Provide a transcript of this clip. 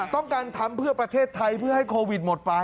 ต้องการทำเพื่อประเทศไทยเพื่อให้โควิดหมดไป